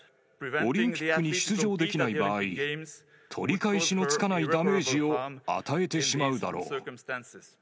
オリンピックに出場できない場合、取り返しのつかないダメージを与えてしまうだろう。